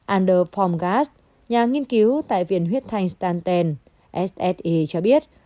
ander pongas nhà nghiên cứu tại viện huyết thành stanton sse cho biết